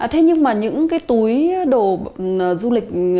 thế nhưng mà những cái túi đồ du lịch